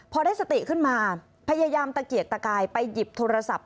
พอได้สติขึ้นมาพยายามตะเกียกตะกายไปหยิบโทรศัพท์